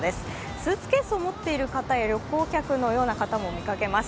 スーツケースを持っている方や旅行客のような方も見かけます。